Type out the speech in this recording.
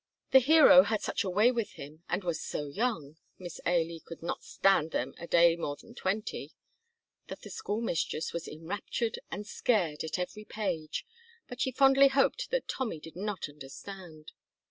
The hero had such a way with him and was so young (Miss Ailie could not stand them a day more than twenty) that the school mistress was enraptured and scared at every page, but she fondly hoped that Tommy did not understand.